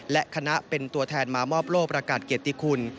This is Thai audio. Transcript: และคณะเป็นตัวแทนมามอบโลกประกาศเกียรติคุณ